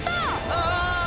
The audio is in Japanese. ああ！